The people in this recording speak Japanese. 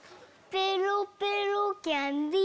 ペロペロキャンディ。